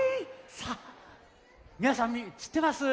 さあみなさんしってます？